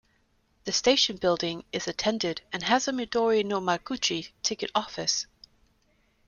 The station building is attended and has a Midori no Madoguchi ticket office.